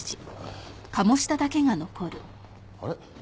あれ？